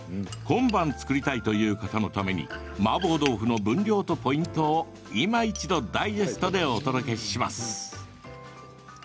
今晩、作りたいという方のためにマーボー豆腐の分量とポイントをいま一度ダイジェストでお届けします。